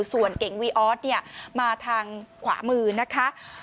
ส่วนเก่งวีออสเนี่ยมาทางขวามือนะคะ